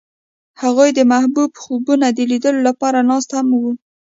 هغوی د محبوب خوبونو د لیدلو لپاره ناست هم وو.